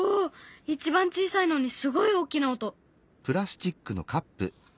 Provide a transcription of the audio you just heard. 一番小さいのにすごい大きな音！